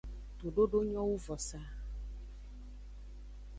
Tododo nyo wu vosaa.